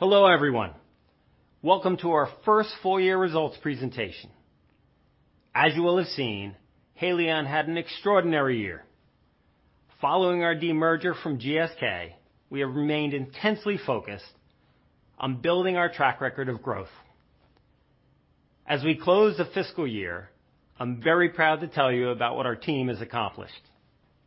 Hello, everyone. Welcome to our First Full Year Results Presentation. As you will have seen, Haleon had an extraordinary year. Following our de-merger from GSK, we have remained intensely focused on building our track record of growth. As we close the fiscal year, I'm very proud to tell you about what our team has accomplished.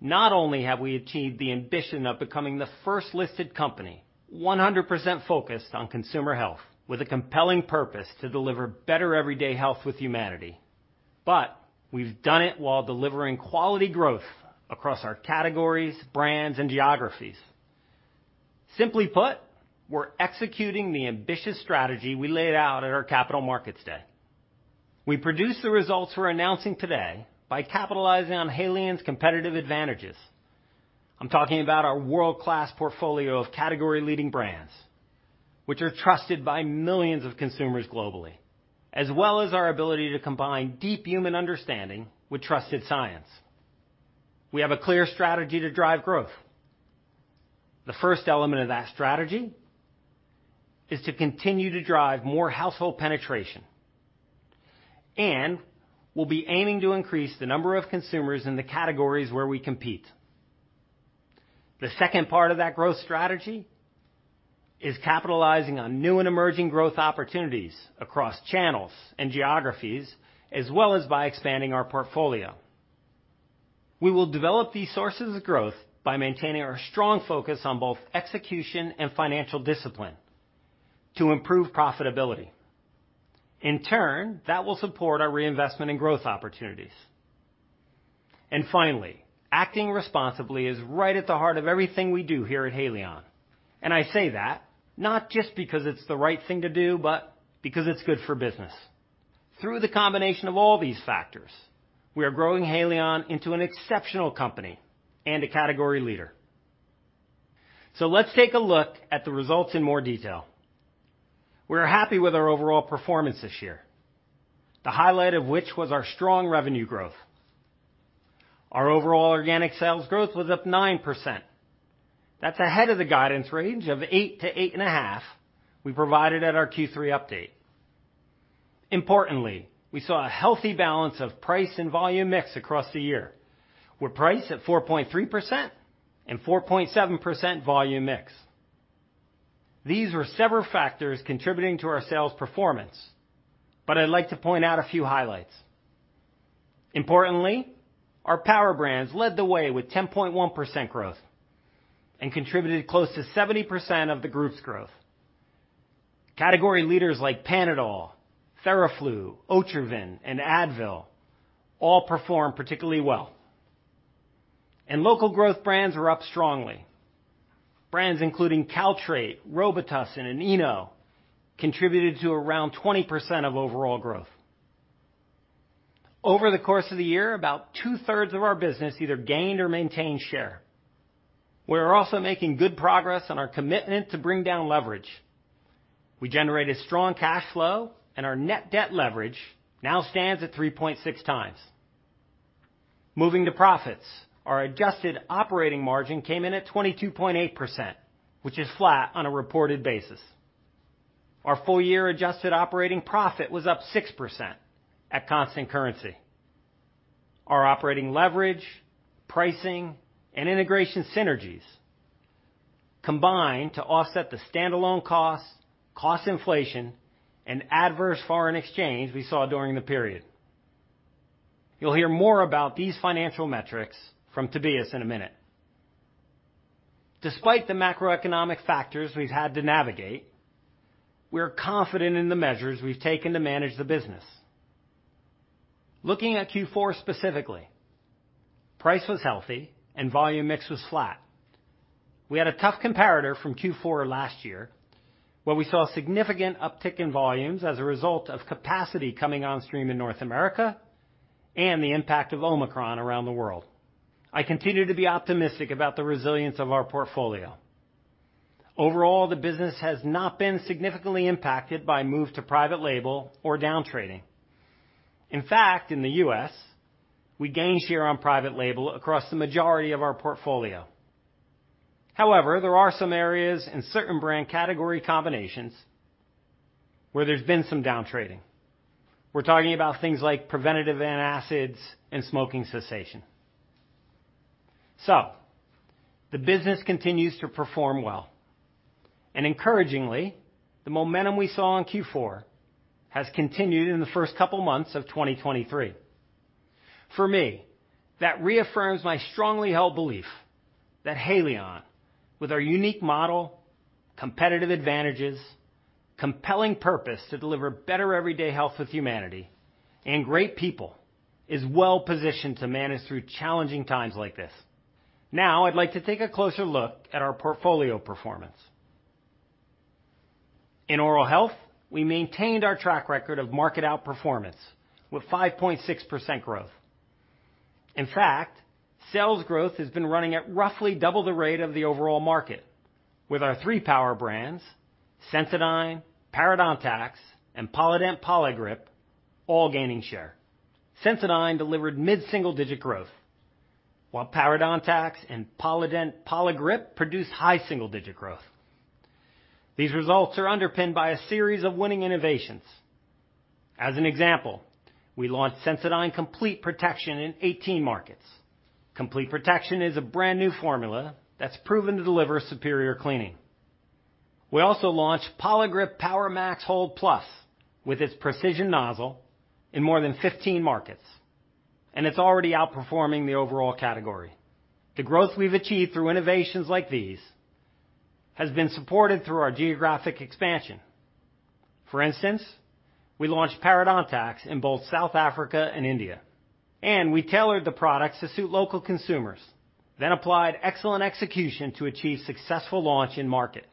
Not only have we achieved the ambition of becoming the first-listed company 100% focused on consumer health, with a compelling purpose to deliver better everyday health with humanity, but we've done it while delivering quality growth across our categories, brands, and geographies. Simply put, we're executing the ambitious strategy we laid out at our Capital Markets Day. We produced the results we're announcing today by capitalizing on Haleon's competitive advantages. I'm talking about our world-class portfolio of category leading brands, which are trusted by millions of consumers globally, as well as our ability to combine deep human understanding with trusted science. We have a clear strategy to drive growth. The first element of that strategy is to continue to drive more household penetration. We'll be aiming to increase the number of consumers in the categories where we compete. The second part of that growth strategy is capitalizing on new and emerging growth opportunities across channels and geographies, as well as by expanding our portfolio. We will develop these sources of growth by maintaining our strong focus on both execution and financial discipline to improve profitability. In turn, that will support our reinvestment in growth opportunities. Finally, acting responsibly is right at the heart of everything we do here at Haleon. I say that not just because it's the right thing to do, but because it's good for business. Through the combination of all these factors, we are growing Haleon into an exceptional company and a category leader. Let's take a look at the results in more detail. We're happy with our overall performance this year, the highlight of which was our strong revenue growth. Our overall organic sales growth was up 9%. That's ahead of the guidance range of 8%-8.5% we provided at our Q3 update. Importantly, we saw a healthy balance of price and volume mix across the year, with price at 4.3% and 4.7% volume mix. These were several factors contributing to our sales performance, but I'd like to point out a few highlights. Importantly, our Power Brands led the way with 10.1% growth and contributed close to 70% of the group's growth. Category leaders like Panadol, Theraflu, Otrivin, and Advil all performed particularly well. Local growth brands are up strongly. Brands including Caltrate, Robitussin, and ENO contributed to around 20% of overall growth. Over the course of the year, about 2/3 of our business either gained or maintained share. We're also making good progress on our commitment to bring down leverage. We generated strong cash flow, and our net debt leverage now stands at 3.6x. Moving to profits, our Adjusted operating margin came in at 22.8%, which is flat on a reported basis. Our full year Adjusted operating profit was up 6% at constant currency. Our operating leverage, pricing, and integration synergies combined to offset the standalone costs, cost inflation, and adverse foreign exchange we saw during the period. You'll hear more about these financial metrics from Tobias in a minute. Despite the macroeconomic factors we've had to navigate, we're confident in the measures we've taken to manage the business. Looking at Q4 specifically. Price was healthy and volume mix was flat. We had a tough comparator from Q4 last year, where we saw significant uptick in volumes as a result of capacity coming on stream in North America and the impact of Omicron around the world. I continue to be optimistic about the resilience of our portfolio. Overall, the business has not been significantly impacted by move to private label or down-trading. In fact, in the U.S., we gained share on private label across the majority of our portfolio. There are some areas in certain brand category combinations where there's been some down-trading. We're talking about things like preventative antacids and smoking cessation. The business continues to perform well. Encouragingly, the momentum we saw in Q4 has continued in the first couple of months of 2023. For me, that reaffirms my strongly held belief that Haleon, with our unique model, competitive advantages, compelling purpose to deliver better everyday health with humanity and great people, is well-positioned to manage through challenging times like this. I'd like to take a closer look at our portfolio performance. In oral health, we maintained our track record of market outperformance with 5.6% growth. In fact, sales growth has been running at roughly double the rate of the overall market with our three Power Brands, Sensodyne, Parodontax and Polident Poligrip, all gaining share. Sensodyne delivered mid-single digit growth. While Parodontax and Polident Poligrip produced high single-digit growth. These results are underpinned by a series of winning innovations. As an example, we launched Sensodyne Complete Protection in 18 markets. Complete Protection is a brand-new formula that's proven to deliver superior cleaning. We also launched Poligrip Power Max Hold+ with its precision nozzle in more than 15 markets, it's already outperforming the overall category. The growth we've achieved through innovations like these has been supported through our geographic expansion. For instance, we launched Parodontax in both South Africa and India, we tailored the products to suit local consumers, applied excellent execution to achieve successful launch in market.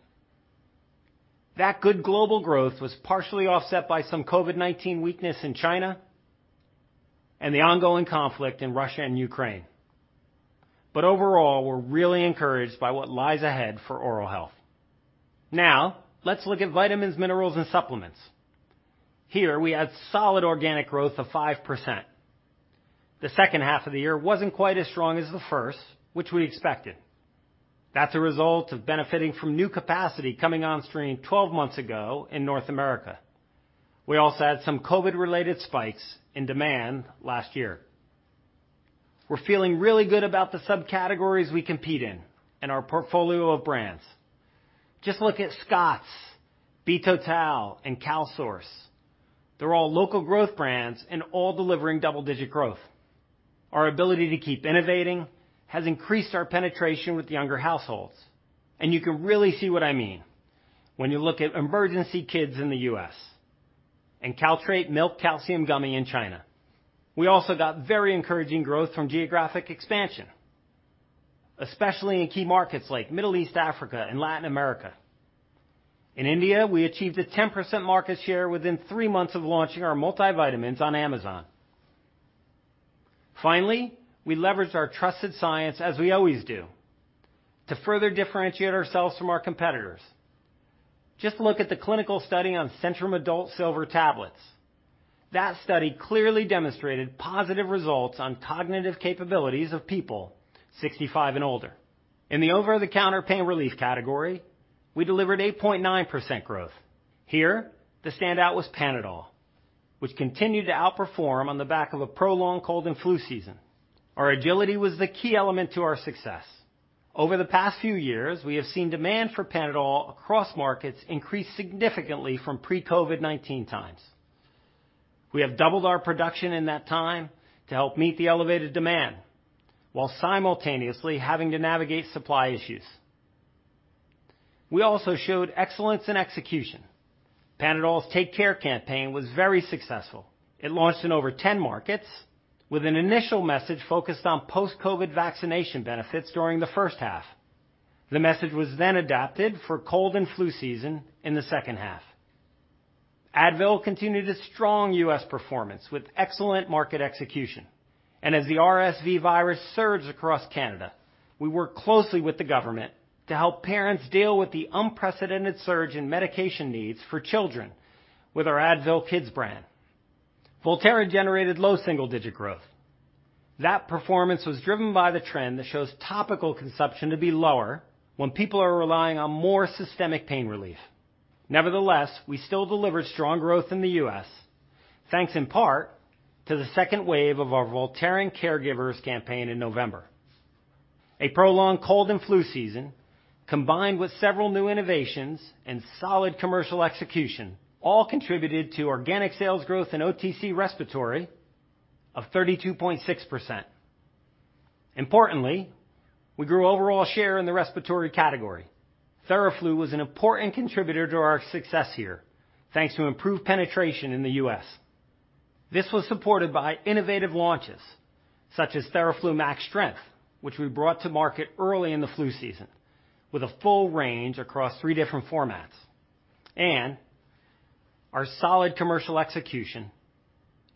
That good global growth was partially offset by some COVID-19 weakness in China and the ongoing conflict in Russia and Ukraine. Overall, we're really encouraged by what lies ahead for oral health. Let's look at vitamins, minerals, and supplements. Here, we had solid organic growth of 5%. The second half of the year wasn't quite as strong as the first, which we expected. That's a result of benefiting from new capacity coming on stream 12 months ago in North America. We also had some COVID-related spikes in demand last year. We're feeling really good about the subcategories we compete in and our portfolio of brands. Just look at Scott's, BeTotal, and CalSource. They're all local growth brands and all delivering double-digit growth. Our ability to keep innovating has increased our penetration with younger households, and you can really see what I mean when you look at Emergen-C Kidz in the U.S. and Caltrate Milk Calcium Gummies in China. We also got very encouraging growth from geographic expansion, especially in key markets like Middle East Africa and Latin America. In India, we achieved a 10% market share within three months of launching our multivitamins on Amazon. We leveraged our trusted science, as we always do, to further differentiate ourselves from our competitors. Just look at the clinical study on Centrum Silver Adult Tablets. That study clearly demonstrated positive results on cognitive capabilities of people 65 and older. In the over-the-counter pain relief category, we delivered 8.9% growth. Here, the standout was Panadol, which continued to outperform on the back of a prolonged cold and flu season. Our agility was the key element to our success. Over the past few years, we have seen demand for Panadol across markets increase significantly from pre-COVID-19 times. We have doubled our production in that time to help meet the elevated demand while simultaneously having to navigate supply issues. We also showed excellence in execution. Panadol's Take Care campaign was very successful. It launched in over 10 markets with an initial message focused on post-COVID vaccination benefits during the first half. The message was adapted for cold and flu season in the second half. Advil continued its strong U.S. performance with excellent market execution. As the RSV virus surged across Canada, we worked closely with the government to help parents deal with the unprecedented surge in medication needs for children with our Advil Kids brand. Voltaren generated low single-digit growth. That performance was driven by the trend that shows topical consumption to be lower when people are relying on more systemic pain relief. Nevertheless, we still delivered strong growth in the U.S., thanks in part to the second wave of our Voltaren Caregivers campaign in November. A prolonged cold and flu season, combined with several new innovations and solid commercial execution, all contributed to organic sales growth in OTC respiratory of 32.6%. Importantly, we grew overall share in the respiratory category. Theraflu was an important contributor to our success here, thanks to improved penetration in the U.S. This was supported by innovative launches such as Theraflu Max Strength, which we brought to market early in the flu season with a full range across three different formats. Our solid commercial execution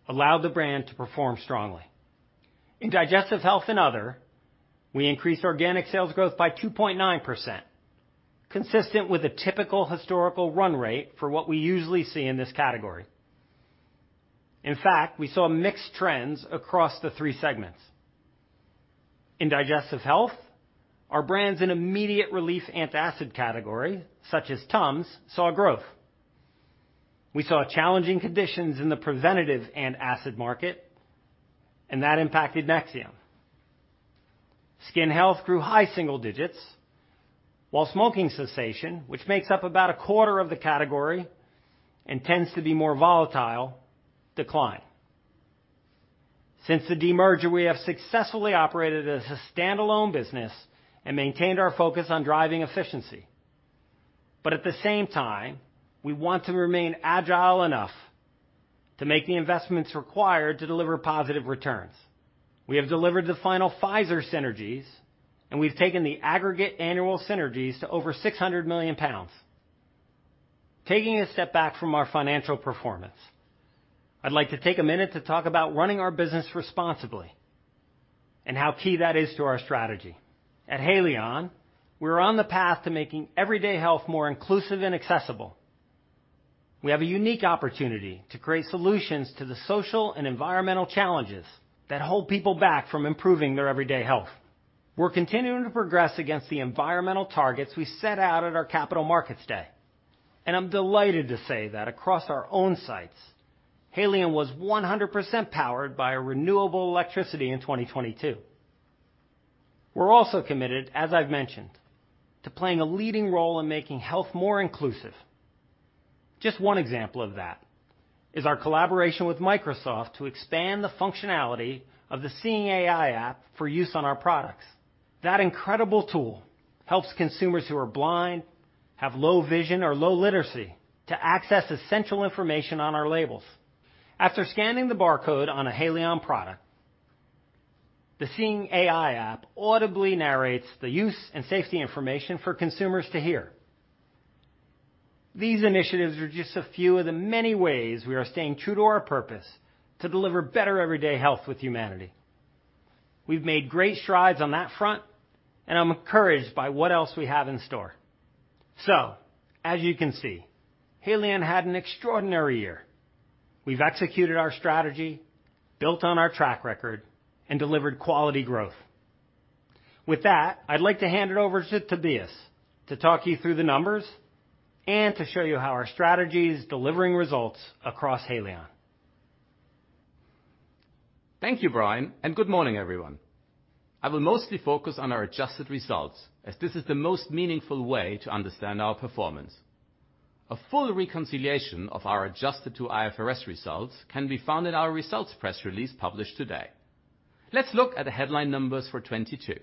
allowed the brand to perform strongly. In Digestive Health and Other, we increased organic sales growth by 2.9%, consistent with a typical historical run rate for what we usually see in this category. In fact, we saw mixed trends across the three segments. In Digestive Health, our brands in immediate relief antacid category, such as TUMS, saw growth. We saw challenging conditions in the preventative antacid market, and that impacted Nexium. Skin health grew high single digits, while smoking cessation, which makes up about a quarter of the category and tends to be more volatile, declined. Since the demerger, we have successfully operated as a standalone business and maintained our focus on driving efficiency. At the same time, we want to remain agile enough to make the investments required to deliver positive returns. We have delivered the final Pfizer synergies, and we've taken the aggregate annual synergies to over 600 million pounds. Taking a step back from our financial performance, I'd like to take a minute to talk about running our business responsibly and how key that is to our strategy. At Haleon, we're on the path to making everyday health more inclusive and accessible. We have a unique opportunity to create solutions to the social and environmental challenges that hold people back from improving their everyday health. We're continuing to progress against the environmental targets we set out at our Capital Markets Day, and I'm delighted to say that across our own sites, Haleon was 100% powered by a renewable electricity in 2022. We're also committed, as I've mentioned, to playing a leading role in making health more inclusive. Just one example of that is our collaboration with Microsoft to expand the functionality of the Seeing AI app for use on our products. That incredible tool helps consumers who are blind, have low vision or low literacy to access essential information on our labels. After scanning the barcode on a Haleon product, the Seeing AI app audibly narrates the use and safety information for consumers to hear. These initiatives are just a few of the many ways we are staying true to our purpose to deliver better everyday health with humanity. We've made great strides on that front, and I'm encouraged by what else we have in store. As you can see, Haleon had an extraordinary year. We've executed our strategy, built on our track record, and delivered quality growth. With that, I'd like to hand it over to Tobias to talk you through the numbers and to show you how our strategy is delivering results across Haleon. Thank you, Brian. Good morning, everyone. I will mostly focus on our adjusted results as this is the most meaningful way to understand our performance. A full reconciliation of our adjusted to IFRS results can be found in our results press release published today. Let's look at the headline numbers for 2022.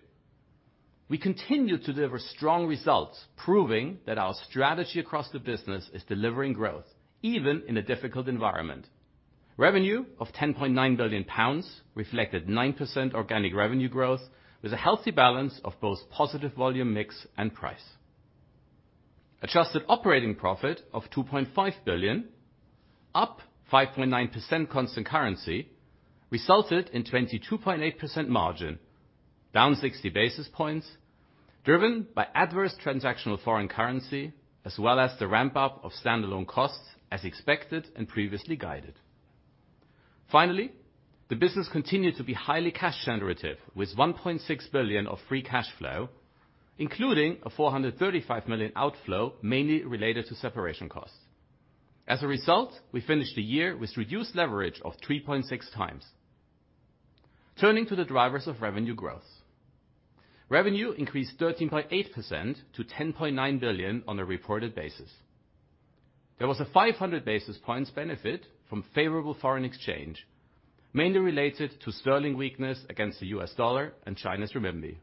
We continue to deliver strong results, proving that our strategy across the business is delivering growth even in a difficult environment. Revenue of 10.9 billion pounds reflected 9% organic revenue growth, with a healthy balance of both positive volume mix and price. Adjusted operating profit of 2.5 billion, up 5.9% constant currency, resulted in 22.8% margin, down 60 basis points, driven by adverse transactional foreign currency as well as the ramp up of standalone costs as expected and previously guided. Finally, the business continued to be highly cash generative, with 1.6 billion of free cash flow, including a 435 million outflow, mainly related to separation costs. As a result, we finished the year with reduced leverage of 3.6x. Turning to the drivers of revenue growth. Revenue increased 13.8% to 10.9 billion on a reported basis. There was a 500 basis points benefit from favorable foreign exchange, mainly related to sterling weakness against the US dollar and China's renminbi.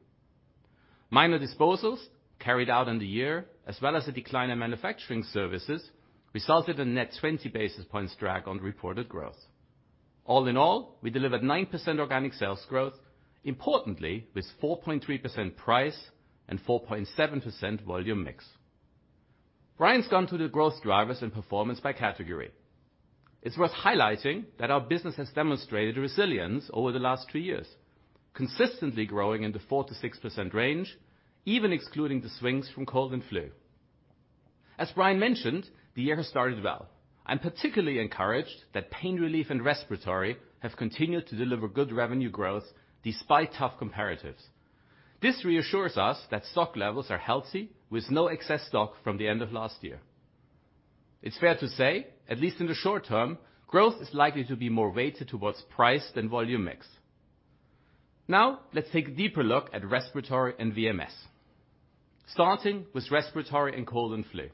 Minor disposals carried out in the year as well as a decline in manufacturing services resulted in net 20 basis points drag on reported growth. All in all, we delivered 9% organic sales growth, importantly with 4.3% price and 4.7% volume mix. Brian's gone through the growth drivers and performance by category. It's worth highlighting that our business has demonstrated resilience over the last two years, consistently growing in the 4%-6% range, even excluding the swings from cold and flu. As Brian mentioned, the year has started well. I'm particularly encouraged that pain relief and respiratory have continued to deliver good revenue growth despite tough comparatives. This reassures us that stock levels are healthy with no excess stock from the end of last year. It's fair to say, at least in the short term, growth is likely to be more weighted towards price than volume mix. Now let's take a deeper look at respiratory and VMS. Starting with respiratory and cold and flu.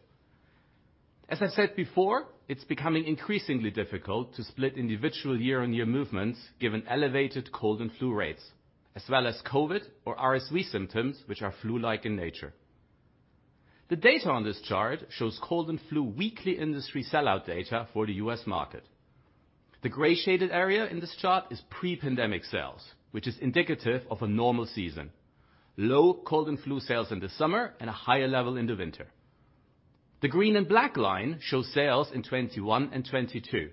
As I said before, it's becoming increasingly difficult to split individual year-on-year movements given elevated cold and flu rates, as well as COVID or RSV symptoms which are flu-like in nature. The data on this chart shows cold and flu weekly industry sellout data for the U.S. market. The gray shaded area in this chart is pre-pandemic sales, which is indicative of a normal season. Low cold and flu sales in the summer and a higher level in the winter. The green and black line shows sales in 21 and 22,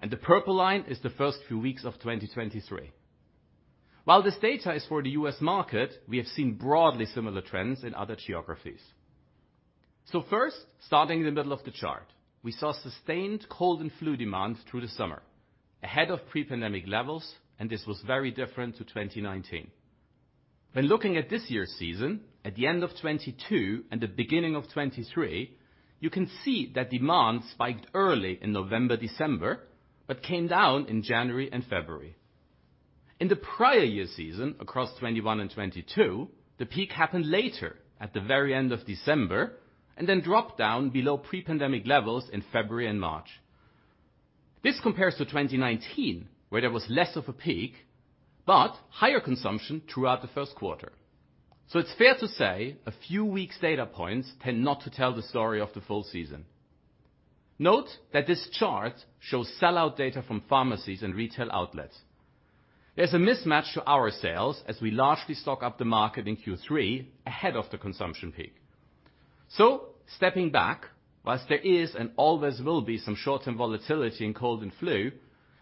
and the purple line is the first few weeks of 2023. While this data is for the U.S. market, we have seen broadly similar trends in other geographies. First, starting in the middle of the chart, we saw sustained cold and flu demand through the summer ahead of pre-pandemic levels, and this was very different to 2019. When looking at this year's season at the end of 2022 and the beginning of 2023, you can see that demand spiked early in November, December, but came down in January and February. In the prior year season, across 2021 and 2022, the peak happened later at the very end of December, and then dropped down below pre-pandemic levels in February and March. This compares to 2019, where there was less of a peak, but higher consumption throughout the first quarter. It's fair to say a few weeks' data points tend not to tell the story of the full season. Note that this chart shows sellout data from pharmacies and retail outlets. There's a mismatch to our sales as we largely stock up the market in Q3 ahead of the consumption peak. Stepping back, whilst there is and always will be some short-term volatility in cold and flu,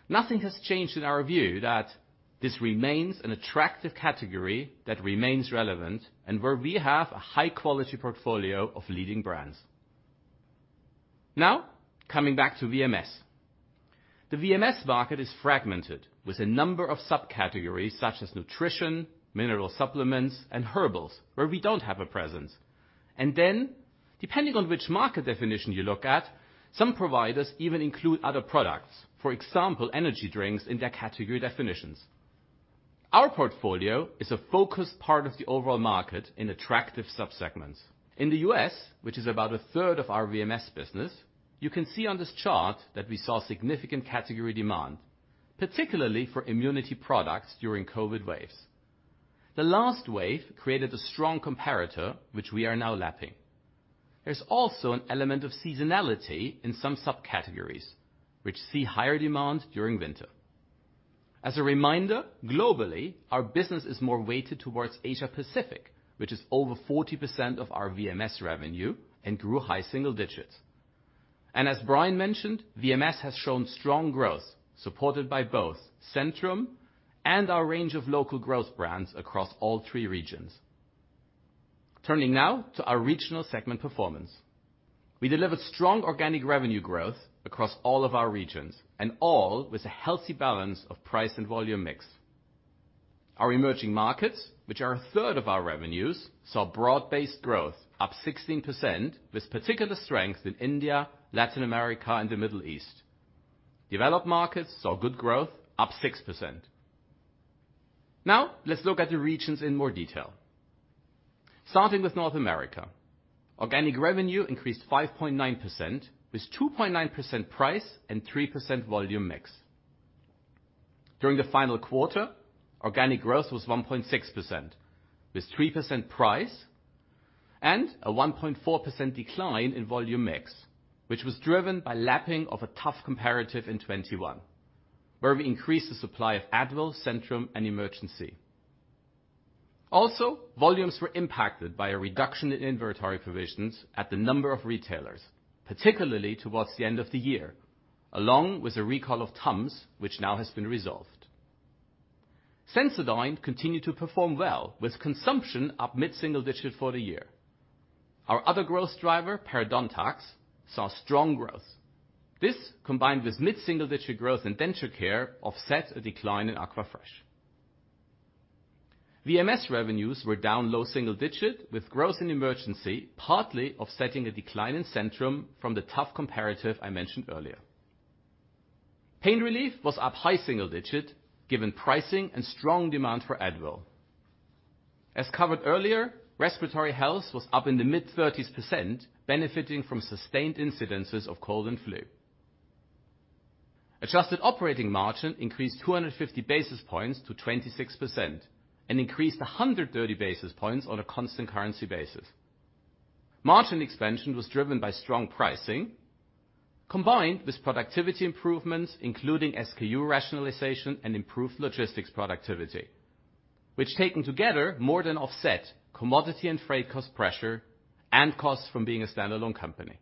nothing has changed in our view that. This remains an attractive category that remains relevant and where we have a high quality portfolio of leading brands. Coming back to VMS. The VMS market is fragmented with a number of subcategories such as nutrition, mineral supplements, and herbals, where we don't have a presence. Depending on which market definition you look at, some providers even include other products, for example, energy drinks, in their category definitions. Our portfolio is a focused part of the overall market in attractive sub-segments. In the U.S., which is about 1/3 of our VMS business, you can see on this chart that we saw significant category demand, particularly for immunity products during COVID waves. The last wave created a strong comparator, which we are now lapping. There's also an element of seasonality in some subcategories which see higher demand during winter. As a reminder, globally, our business is more weighted towards Asia-Pacific, which is over 40% of our VMS revenue and grew high single digits. As Brian mentioned, VMS has shown strong growth supported by both Centrum and our range of local growth brands across all three regions. Turning now to our regional segment performance. We delivered strong organic revenue growth across all of our regions, all with a healthy balance of price and volume mix. Our emerging markets, which are a third of our revenues, saw broad-based growth up 16%, with particular strength in India, Latin America, and the Middle East. Developed markets saw good growth, up 6%. Let's look at the regions in more detail. Starting with North America. Organic revenue increased 5.9%, with 2.9% price and 3% volume mix. During the final quarter, organic growth was 1.6%, with 3% price and a 1.4% decline in volume mix, which was driven by lapping of a tough comparative in 2021, where we increased the supply of Advil, Centrum, and Emergen-C. Volumes were impacted by a reduction in inventory provisions at the number of retailers, particularly towards the end of the year, along with the recall of TUMS, which now has been resolved. Sensodyne continued to perform well with consumption up mid-single digit for the year. Our other growth driver, Parodontax, saw strong growth. This, combined with mid-single-digit growth in denture care, offset a decline in Aquafresh. VMS revenues were down low single digit with growth in Emergen-C, partly offsetting a decline in Centrum from the tough comparative I mentioned earlier. Pain relief was up high single digit given pricing and strong demand for Advil. As covered earlier, respiratory health was up in the mid-30s%, benefiting from sustained incidences of cold and flu. Adjusted operating margin increased 250 basis points to 26% and increased 130 basis points on a constant currency basis. Margin expansion was driven by strong pricing combined with productivity improvements, including SKU rationalization and improved logistics productivity, which, taken together, more than offset commodity and freight cost pressure and costs from being a standalone company.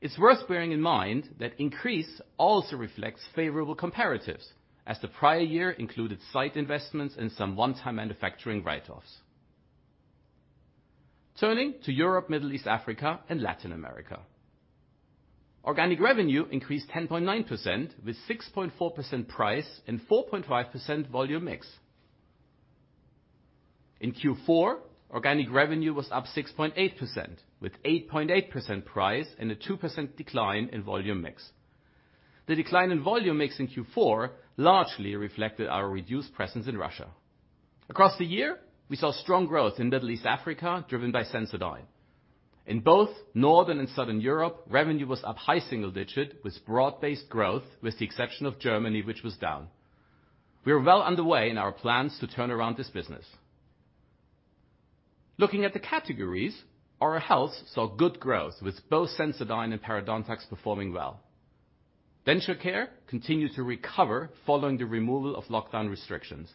It's worth bearing in mind that increase also reflects favorable comparatives as the prior year included site investments and some one-time manufacturing write-offs. Turning to Europe, Middle East, Africa, and Latin America. Organic revenue increased 10.9% with 6.4% price and 4.5% volume mix. In Q4, organic revenue was up 6.8% with 8.8% price and a 2% decline in volume mix. The decline in volume mix in Q4 largely reflected our reduced presence in Russia. Across the year, we saw strong growth in Middle East Africa driven by Sensodyne. In both Northern and Southern Europe, revenue was up high single digit with broad-based growth, with the exception of Germany, which was down. We are well underway in our plans to turn around this business. Looking at the categories, oral health saw good growth with both Sensodyne and Parodontax performing well. Denture care continued to recover following the removal of lockdown restrictions.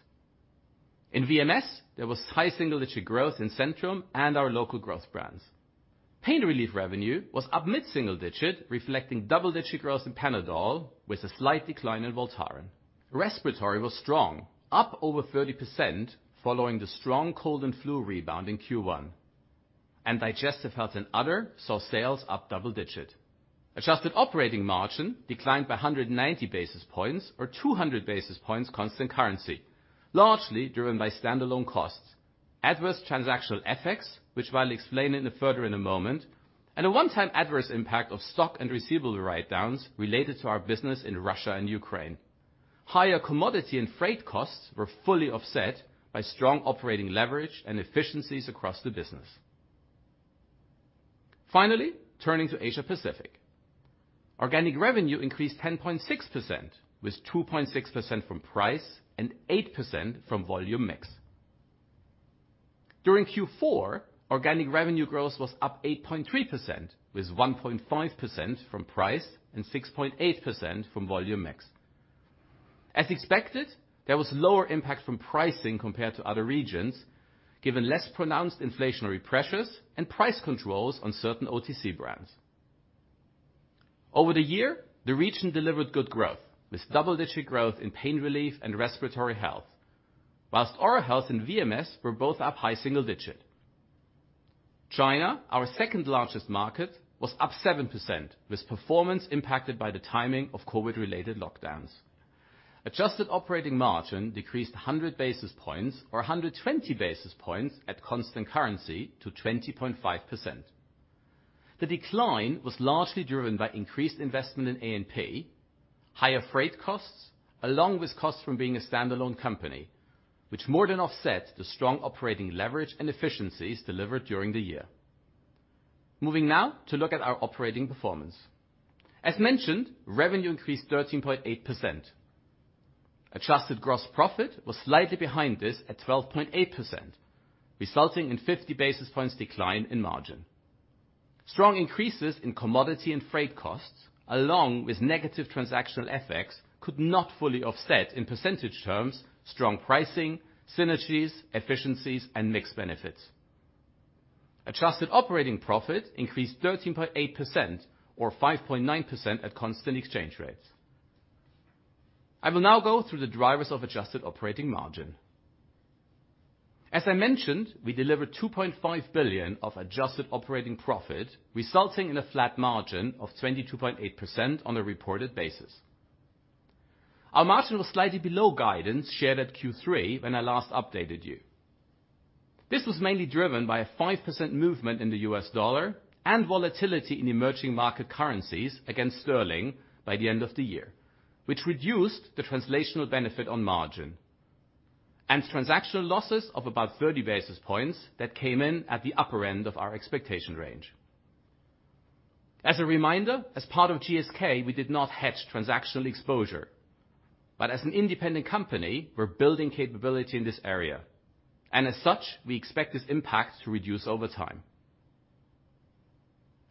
In VMS, there was high single-digit growth in Centrum and our local growth brands. Pain relief revenue was up mid-single-digit, reflecting double-digit growth in Panadol with a slight decline in Voltaren. Respiratory was strong, up over 30% following the strong cold and flu rebound in Q1. Digestive health and other saw sales up double-digit. Adjusted operating margin declined by 190 basis points or 200 basis points constant currency, largely driven by standalone costs, adverse transactional FX, which I'll explain in a moment, and a one-time adverse impact of stock and receivable write-downs related to our business in Russia and Ukraine. Higher commodity and freight costs were fully offset by strong operating leverage and efficiencies across the business. Finally, turning to Asia-Pacific. Organic revenue increased 10.6%, with 2.6% from price and 8% from volume mix. During Q4, organic revenue growth was up 8.3% with 1.5% from price and 6.8% from volume mix. As expected, there was lower impact from pricing compared to other regions, given less pronounced inflationary pressures and price controls on certain OTC brands. Over the year, the region delivered good growth, with double-digit growth in pain relief and respiratory health. Whilst oral health and VMS were both up high single digit. China, our second-largest market, was up 7%, with performance impacted by the timing of COVID-19-related lockdowns. Adjusted operating margin decreased 100 basis points or 120 basis points at constant currency to 20.5%. The decline was largely driven by increased investment in A&P, higher freight costs, along with costs from being a standalone company, which more than offset the strong operating leverage and efficiencies delivered during the year. Moving now to look at our operating performance. As mentioned, revenue increased 13.8%. Adjusted gross profit was slightly behind this at 12.8%, resulting in 50 basis points decline in margin. Strong increases in commodity and freight costs, along with negative transactional FX, could not fully offset, in percentage terms, strong pricing, synergies, efficiencies, and mixed benefits. Adjusted operating profit increased 13.8% or 5.9% at constant exchange rates. I will now go through the drivers of Adjusted Operating margin. As I mentioned, we delivered 2.5 billion of Adjusted operating profit, resulting in a flat margin of 22.8% on a reported basis. Our margin was slightly below guidance shared at Q3 when I last updated you. This was mainly driven by a 5% movement in the US dollar and volatility in emerging market currencies against sterling by the end of the year, which reduced the translational benefit on margin, and transactional losses of about 30 basis points that came in at the upper end of our expectation range. As a reminder, as part of GSK, we did not hedge transactional exposure. As an independent company, we're building capability in this area, and as such, we expect this impact to reduce over time.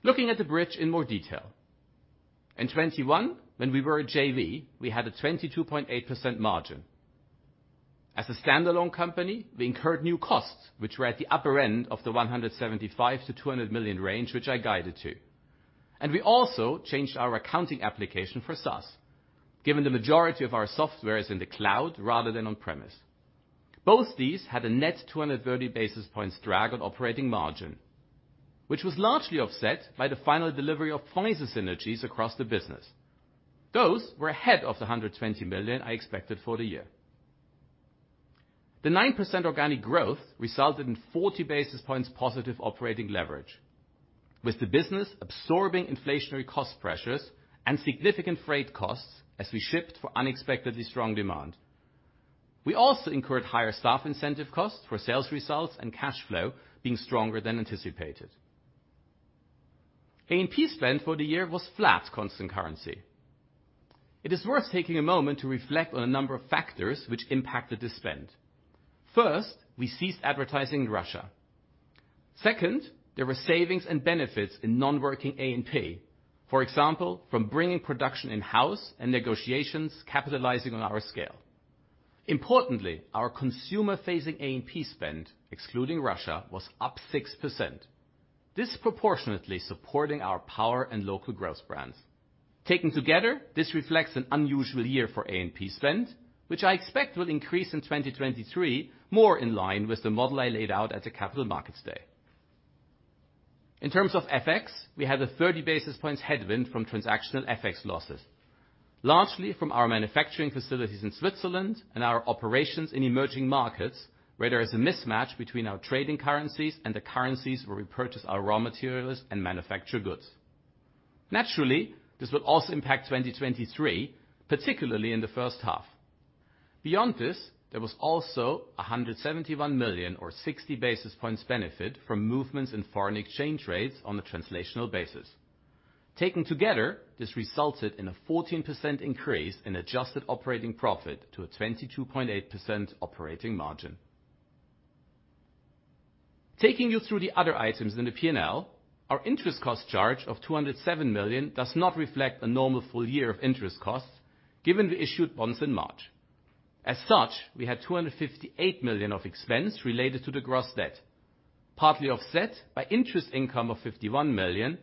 Looking at the bridge in more detail. In 2021, when we were a JV, we had a 22.8% margin. As a standalone company, we incurred new costs which were at the upper end of the 175 million-200 million range, which I guided to. We also changed our accounting application for SaaS, given the majority of our software is in the cloud rather than on-premise. Both these had a net 230 basis points drag on operating margin, which was largely offset by the final delivery of Pfizer synergies across the business. Those were ahead of the 120 million I expected for the year. The 9% organic growth resulted in 40 basis points positive operating leverage, with the business absorbing inflationary cost pressures and significant freight costs as we shipped for unexpectedly strong demand. We also incurred higher staff incentive costs for sales results and cash flow being stronger than anticipated. A&P spend for the year was flat constant currency. It is worth taking a moment to reflect on a number of factors which impacted the spend. First, we ceased advertising in Russia. Second, there were savings and benefits in non-working A&P. For example, from bringing production in-house and negotiations capitalizing on our scale. Importantly, our consumer-facing A&P spend, excluding Russia, was up 6%. Disproportionately supporting our Power Brands and local growth brands. Taken together, this reflects an unusual year for A&P spend, which I expect will increase in 2023 more in line with the model I laid out at the Capital Markets Day. In terms of FX, we had a 30 basis points headwind from transactional FX losses, largely from our manufacturing facilities in Switzerland and our operations in emerging markets, where there is a mismatch between our trading currencies and the currencies where we purchase our raw materials and manufacture goods. Naturally, this will also impact 2023, particularly in the first half. Beyond this, there was also 171 million or 60 basis points benefit from movements in foreign exchange rates on a translational basis. Taken together, this resulted in a 14% increase in Adjusted operating profit to a 22.8% operating margin. Taking you through the other items in the P&L, our interest cost charge of 207 million does not reflect a normal full year of interest costs, given we issued bonds in March. As such, we had 258 million of expense related to the gross debt, partly offset by interest income of 51 million,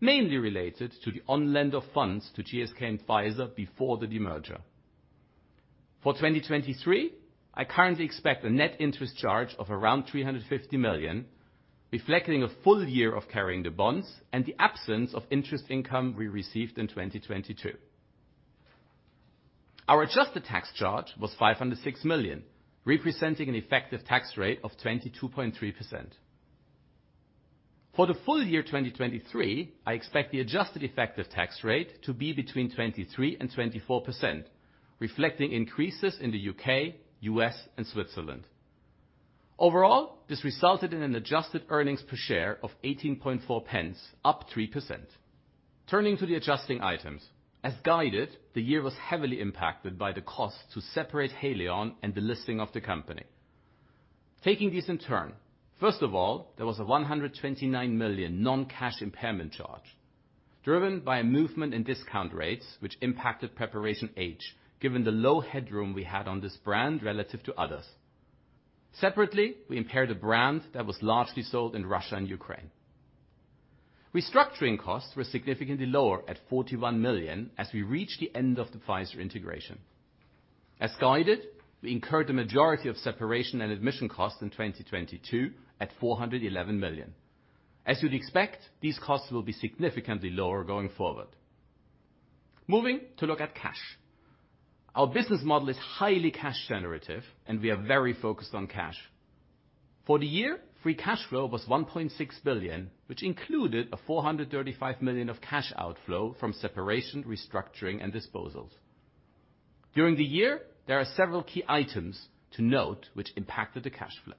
mainly related to the on lend of funds to GSK and Pfizer before the demerger. For 2023, I currently expect a net interest charge of around 350 million, reflecting a full year of carrying the bonds and the absence of interest income we received in 2022. Our Adjusted tax charge was 506 million, representing an effective tax rate of 22.3%. For the full year 2023, I expect the Adjusted effective tax rate to be between 23% and 24%, reflecting increases in the UK, US, and Switzerland. Overall, this resulted in an Adjusted earnings per share of 0.184, up 3%. Turning to the adjusting items. As guided, the year was heavily impacted by the cost to separate Haleon and the listing of the company. Taking these in turn. First of all, there was a 129 million non-cash impairment charge driven by a movement in discount rates which impacted Preparation H, given the low headroom we had on this brand relative to others. Separately, we impaired a brand that was largely sold in Russia and Ukraine. Restructuring costs were significantly lower at 41 million as we reach the end of the Pfizer integration. As guided, we incurred the majority of separation and admission costs in 2022 at 411 million. As you'd expect, these costs will be significantly lower going forward. Moving to look at cash. Our business model is highly cash generative, and we are very focused on cash. For the year, Free cash flow was 1.6 billion, which included a 435 million of cash outflow from separation, restructuring, and disposals. During the year, there are several key items to note which impacted the cash flow.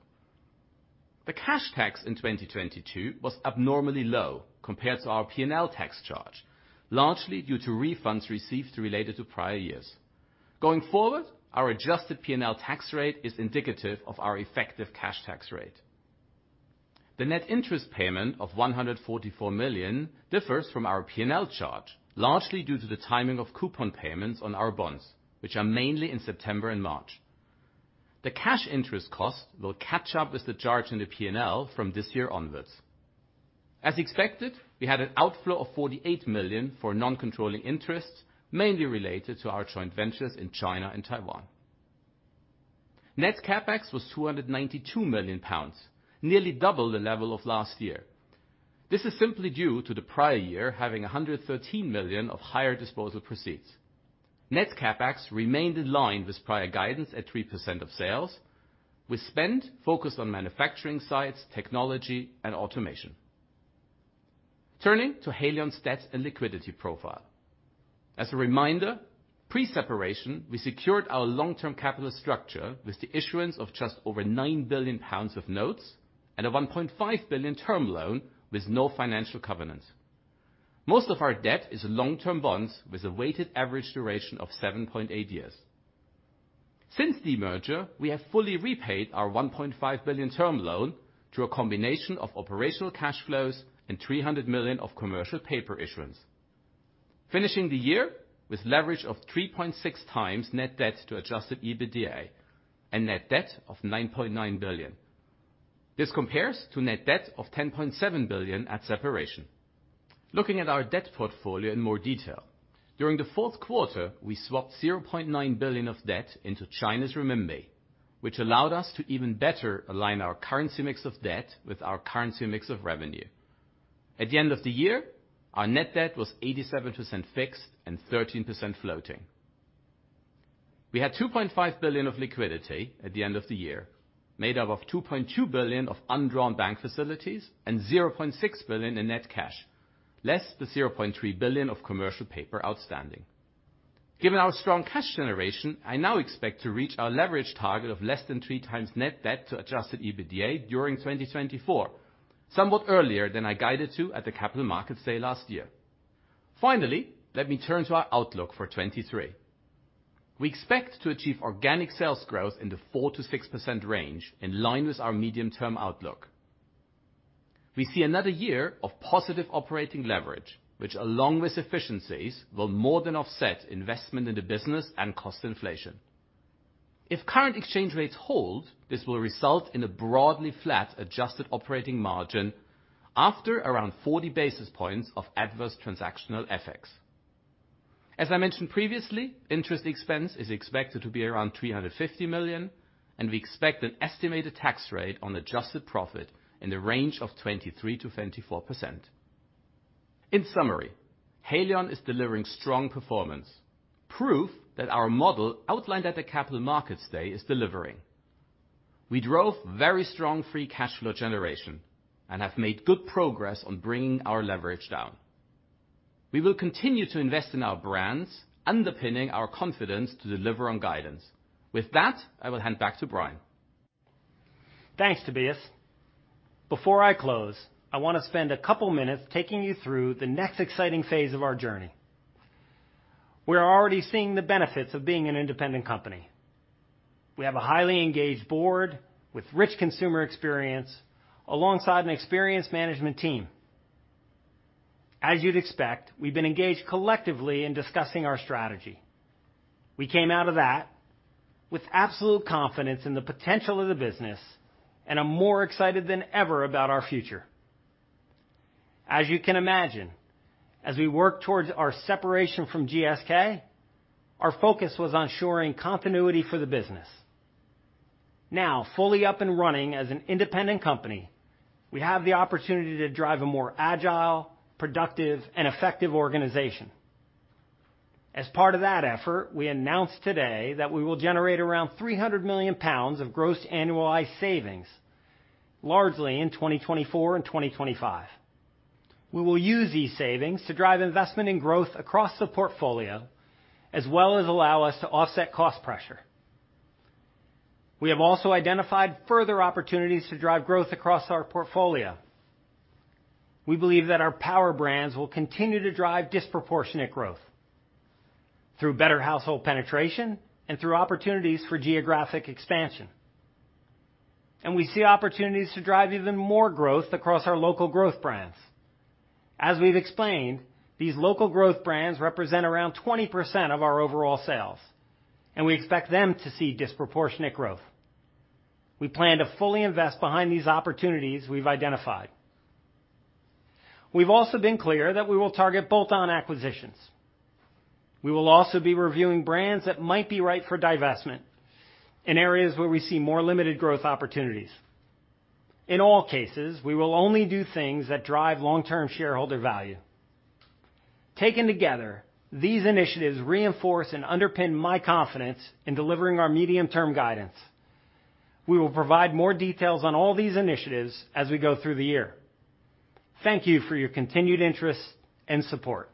The cash tax in 2022 was abnormally low compared to our P&L tax charge, largely due to refunds received related to prior years. Going forward, our Adjusted P&L tax rate is indicative of our effective cash tax rate. The net interest payment of 144 million differs from our P&L charge, largely due to the timing of coupon payments on our bonds, which are mainly in September and March. The cash interest cost will catch up with the charge in the P&L from this year onwards. As expected, we had an outflow of 48 million for non-controlling interests, mainly related to our joint ventures in China and Taiwan. Net CapEx was 292 million pounds, nearly double the level of last year. This is simply due to the prior year having 113 million of higher disposal proceeds. Net CapEx remained in line with prior guidance at 3% of sales, with spend focused on manufacturing sites, technology, and automation. Turning to Haleon's debt and liquidity profile. As a reminder, pre-separation, we secured our long-term capital structure with the issuance of just over 9 billion pounds of notes and a 1.5 billion term loan with no financial covenant. Most of our debt is long-term bonds with a weighted average duration of 7.8 years. Since demerger, we have fully repaid our 1.5 billion term loan through a combination of operational cash flows and 300 million of commercial paper issuance. Finishing the year with leverage of 3.6x net debt to Adjusted EBITDA and net debt of 9.9 billion. This compares to net debt of 10.7 billion at separation. Looking at our debt portfolio in more detail. During the fourth quarter, we swapped 0.9 billion of debt into China's renminbi, which allowed us to even better align our currency mix of debt with our currency mix of revenue. At the end of the year, our net debt was 87% fixed and 13% floating. We had 2.5 billion of liquidity at the end of the year, made up of 2.2 billion of undrawn bank facilities and 0.6 billion in net cash, less the 0.3 billion of commercial paper outstanding. Given our strong cash generation, I now expect to reach our leverage target of less than 3x net debt to Adjusted EBITDA during 2024, somewhat earlier than I guided to at the Capital Markets Day last year. Let me turn to our outlook for 2023. We expect to achieve organic sales growth in the 4%-6% range, in line with our medium-term outlook. We see another year of positive operating leverage, which along with efficiencies, will more than offset investment in the business and cost inflation. If current exchange rates hold, this will result in a broadly flat Adjusted operating margin after around 40 basis points of adverse transactional FX. As I mentioned previously, interest expense is expected to be around 350 million, and we expect an estimated tax rate on adjusted profit in the range of 23%-24%. In summary, Haleon is delivering strong performance, proof that our model outlined at the Capital Markets Day is delivering. We drove very strong Free cash flow generation and have made good progress on bringing our leverage down. We will continue to invest in our brands, underpinning our confidence to deliver on guidance. With that, I will hand back to Brian. Thanks, Tobias. Before I close, I wanna spend 2 minutes taking you through the next exciting phase of our journey. We are already seeing the benefits of being an independent company. We have a highly engaged board with rich consumer experience alongside an experienced management team. As you'd expect, we've been engaged collectively in discussing our strategy. We came out of that with absolute confidence in the potential of the business and are more excited than ever about our future. As you can imagine, as we work towards our separation from GSK, our focus was on ensuring continuity for the business. Now, fully up and running as an independent company, we have the opportunity to drive a more agile, productive, and effective organization. As part of that effort, we announced today that we will generate around 300 million pounds of gross annualized savings, largely in 2024 and 2025. We will use these savings to drive investment and growth across the portfolio, as well as allow us to offset cost pressure. We have also identified further opportunities to drive growth across our portfolio. We believe that our Power Brands will continue to drive disproportionate growth through better household penetration and through opportunities for geographic expansion. We see opportunities to drive even more growth across our local growth brands. As we've explained, these local growth brands represent around 20% of our overall sales, and we expect them to see disproportionate growth. We plan to fully invest behind these opportunities we've identified. We've also been clear that we will target bolt-on acquisitions. We will also be reviewing brands that might be right for divestment in areas where we see more limited growth opportunities. In all cases, we will only do things that drive long-term shareholder value. Taken together, these initiatives reinforce and underpin my confidence in delivering our medium-term guidance. We will provide more details on all these initiatives as we go through the year. Thank you for your continued interest and support.